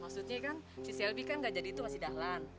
maksudnya kan si shelby kan gak jadi itu sama si dahlan